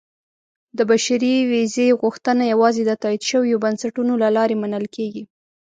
• د بشري ویزې غوښتنه یوازې د تایید شویو بنسټونو له لارې منل کېږي.